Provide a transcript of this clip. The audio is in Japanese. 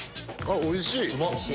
おいしい！